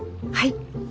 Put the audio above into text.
はい。